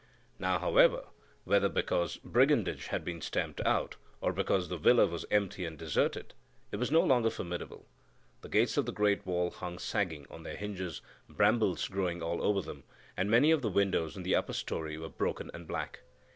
Now, however, whether because brigandage had been stamped out, or because the villa was empty and deserted, it was no longer formidable; the gates of the great wall hung sagging on their hinges, brambles growing all over them, and many of the windows in the upper story were broken and black.